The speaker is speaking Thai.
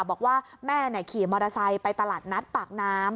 บอกว่าแม่ขี่มอเตอร์ไซค์ไปตลาดนัดปากน้ำ